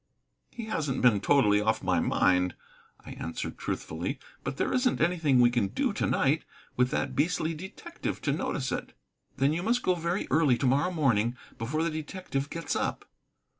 "He hasn't been wholly off my mind," I answered truthfully. "But there isn't anything we can do to night, with that beastly detective to notice it." "Then you must go very early to morrow morning, before the detective gets up."